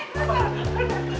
ya benar be